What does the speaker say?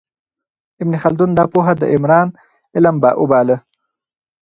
ابن خلدون دا پوهه د عمران علم وباله.